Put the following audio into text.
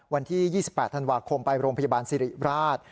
วันที่๒๘ธันวาคมไปโรงพยาบาลสิริราช